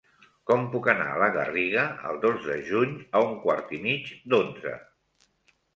Com puc anar a la Garriga el dos de juny a un quart i mig d'onze?